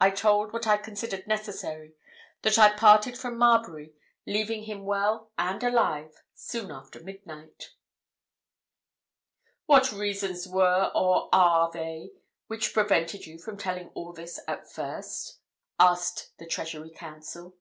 I told what I considered necessary, that I parted from Marbury, leaving him well and alive, soon after midnight." "What reasons were or are they which prevented you from telling all this at first?" asked the Treasury Counsel.